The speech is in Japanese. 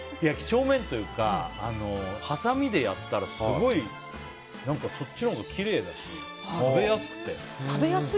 几帳面というかはさみでやったらすごい、そっちのほうがきれいだし、食べやすくて。